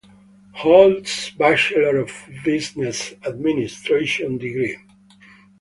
Holds bachelor of business administration degree.